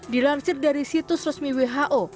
dilansir dari situs resmi who